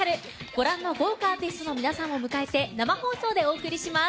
ご覧の豪華アーティストの皆さんを迎えて生放送でお送りします。